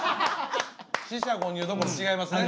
四捨五入どころ違いますね。